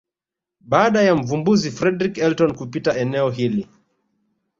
Baada ya Mvumbuzi Fredrick Elton kupita eneo hili